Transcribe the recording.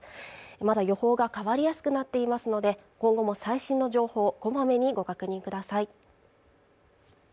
まだ予報が変わりやすくなっていますので今後も最新の情報こまめにご確認ください